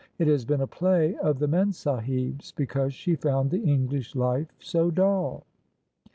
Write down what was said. It has been a play of the Memsahib's because she found the English life 80 dull."